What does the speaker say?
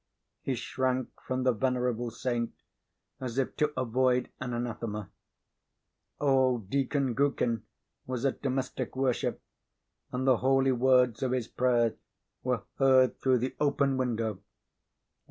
He shrank from the venerable saint as if to avoid an anathema. Old Deacon Gookin was at domestic worship, and the holy words of his prayer were heard through the open window.